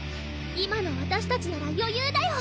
今のわたしたちなら余裕だよ！